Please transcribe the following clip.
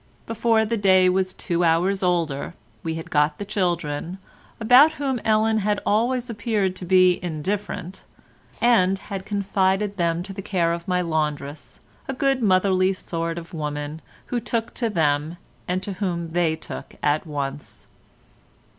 Before the day was two hours older we had got the children, about whom Ellen had always appeared to be indifferent, and had confided them to the care of my laundress, a good motherly sort of woman, who took to them and to whom they took at once.